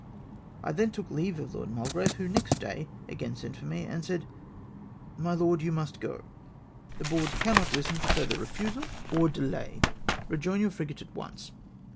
I then took leave of Lord Mulgrave, who, next day, again sent for me, when he said, " My lord, you must go. The Board cannot listen to further refusal or de THE COMMAND PRESSED UPON ME. 347 lay. Eejoin your frigate at once.